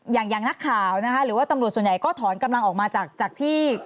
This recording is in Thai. อย่างนักข่าวนะคะหรือว่าตำรวจส่วนใหญ่ก็ถอนกำลังออกมาจากจากที่